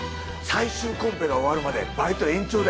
最終コンペが終わるまでバイト延長だよ。